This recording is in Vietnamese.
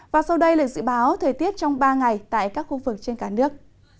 và sau đây là dự báo thời tiết trong ba ngày tại các khu vực trên cả nước